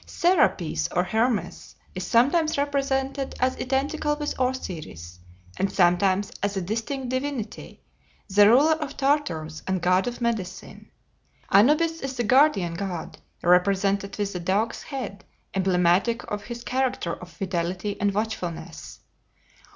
Serapis or Hermes is sometimes represented as identical with Osiris, and sometimes as a distinct divinity, the ruler of Tartarus and god of medicine. Anubis is the guardian god, represented with a dog's head, emblematic of his character of fidelity and watchfulness.